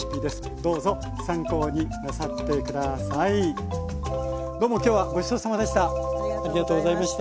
どうも今日はごちそうさまでした。